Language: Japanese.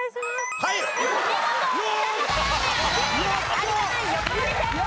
有田ナイン横取り成功。